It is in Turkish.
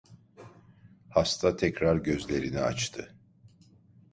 Hasta tekrar gözlerini açtı..